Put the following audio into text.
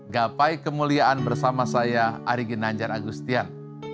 gapai kemuliaan bersama saya arikin nanjar agustian